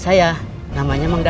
kita pada mangga